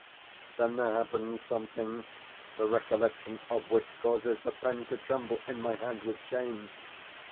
Then there happened something the recollection of which causes the pen to tremble in my hand with shame.